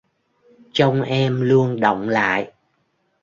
Trong em luôn đọng lại